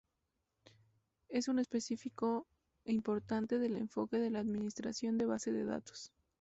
Es un específico importante del enfoque de la administración de base de datos.